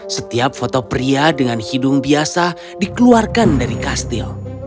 setiap foto pria dengan hidung biasa dikeluarkan dari kastil